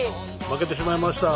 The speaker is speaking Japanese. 負けてしまいました。